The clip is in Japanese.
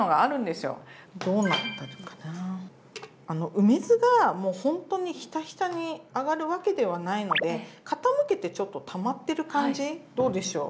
梅酢がもうほんとにヒタヒタに上がるわけではないので傾けてちょっとたまってる感じどうでしょう。